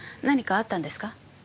何かあったんですか？